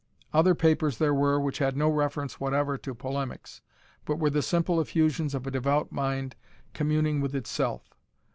Other papers there were which had no reference whatever to polemics, but were the simple effusions of a devout mind communing with itself.